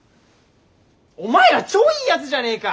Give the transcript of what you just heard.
お前ら超いいやつじゃねえか！